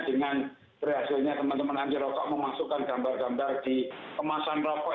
dengan berhasilnya teman teman anti rokok memasukkan gambar gambar di kemasan rokok